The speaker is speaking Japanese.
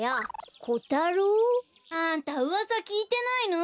コタロウ？あんたうわさきいてないの？